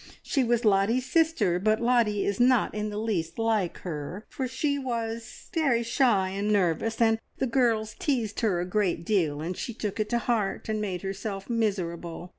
She was Lottie's sister; but Lottie is not in the least like her, for she was very shy and nervous, and the girls teased her a great deal, and she took it to heart and made herself miserable.